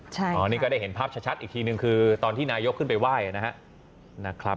จากนี้ก็ได้เห็นภาพชัดอีกทีในที่นายกขึ้นไปไหว้